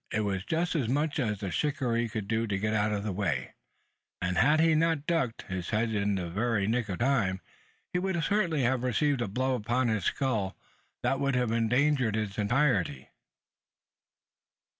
It was just as much as the shikaree could do to get out of the way; and, had he not ducked his head in the very nick of time, he would certainly have received a blow upon his skull, that would have endangered its entirety.